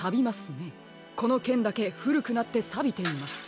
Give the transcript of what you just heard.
このけんだけふるくなってさびています。